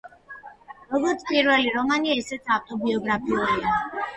როგორც პირველი რომანი, ესეც ავტობიოგრაფიულია.